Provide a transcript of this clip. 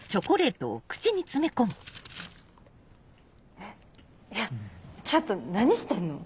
えっいやちょっと何してんの？